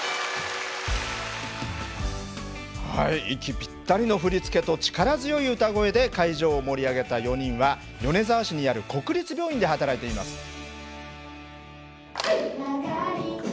息ぴったりの振り付けと力強い歌声で会場を盛り上げた４人は米沢市にある国立病院で働いています。